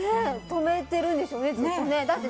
止めてるんでしょうね、ずっと。